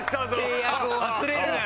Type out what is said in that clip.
「契約を忘れるな」。